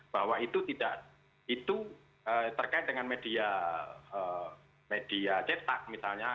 bahwa itu tidak itu terkait dengan media cetak misalnya